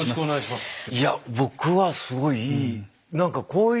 いや僕はすごいいい。